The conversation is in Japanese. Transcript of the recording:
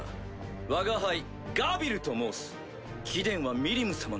わが輩ガビルと申す貴殿はミリム様の？